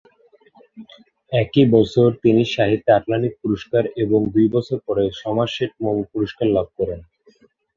একই বছর তিনি সাহিত্যে আটলান্টিক পুরস্কার এবং দুই বছর পরে সমারসেট মম পুরস্কার লাভ করেন।